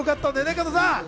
加藤さん。